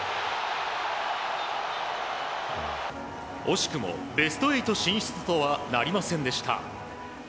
惜しくもベスト８進出とはなりませんでした。